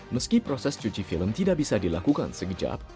meski proses cuci film tidak bisa dilakukan sekejap